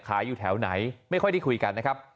อยู่แถวไหนไม่ค่อยได้คุยกันนะครับ